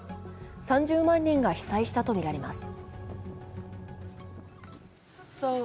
３０万人が被災したとみられます。